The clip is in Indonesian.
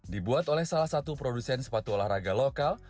dibuat oleh salah satu produsen sepatu olahraga lokal